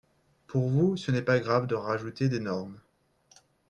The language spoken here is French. Pour vous, ce n’est pas grave de rajouter des normes